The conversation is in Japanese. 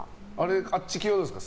あっち系はどうですか？